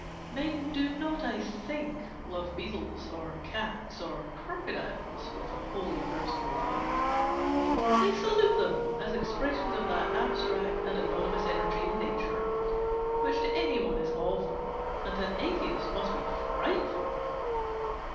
Men do not, I think, love beetles or cats or crocodiles with a wholly personal love; they salute them as expressions of that abstract and anonymous energy in nature which to any one is awful, and to an atheist must be frightful.